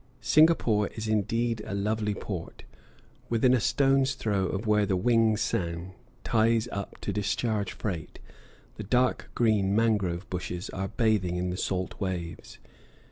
Singapore is indeed a lovely port. Within a stone's throw of where the Wing sang ties up to discharge freight the dark green mangrove bushes are bathing in the salt waves.